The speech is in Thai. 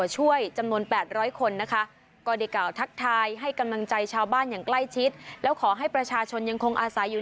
จำนวน๙๐๐คน